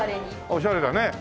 オシャレだね！